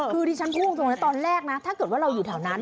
คือดิฉันพูดตรงนะตอนแรกนะถ้าเกิดว่าเราอยู่แถวนั้น